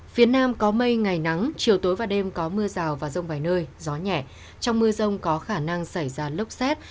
phía nam có mây ngày nắng chiều tối và đêm có mưa rào và rông vài nơi gió nhẹ trong mưa rông có khả năng xảy ra lốc xét